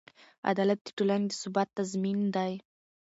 عدالت د ټولنې د ثبات تضمین دی.